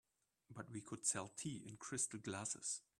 But we could sell tea in crystal glasses.